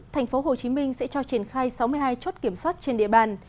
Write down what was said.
tp hcm sẽ cho triển khai sáu mươi hai chốt kiểm soát trên địa bàn